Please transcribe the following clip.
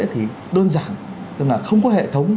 thì đơn giản tức là không có hệ thống